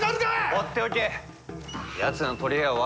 放っておけ。